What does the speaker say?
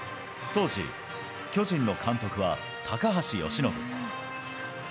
当時、巨人の監督は高橋由伸。